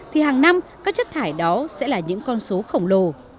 thì hàng năm các chất thải đó sẽ là những con số khổng lồ